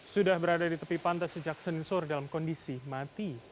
sudah berada di tepi pantai sejak senin sore dalam kondisi mati